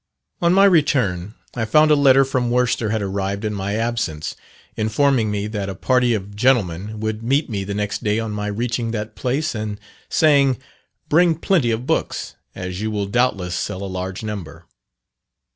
On my return, I found a letter from Worcester had arrived in my absence, informing me that a party of gentlemen would meet me the next day on my reaching that place; and saying, "Bring plenty of books, as you will doubtless sell a large number."